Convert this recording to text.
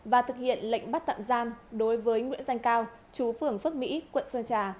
và thực hiện lệnh bắt tạm giam đối với nguyễn danh cao chú phường phước mỹ quận sơn trà